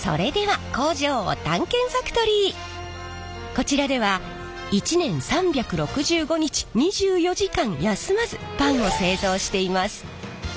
こちらでは１年３６５日２４時間休まずパンを製造しています。